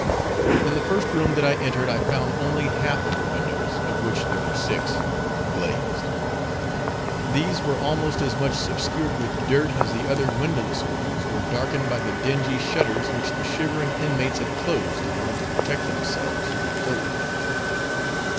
In the first room that I entered I found only half of the windows, of which there were six, glazed; these were almost as much obscured with dirt as the other windowless ones were darkened by the dingy shutters which the shivering inmates had closed in order to protect themselves from the cold.